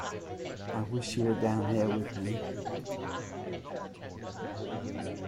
I wish you were down here with me!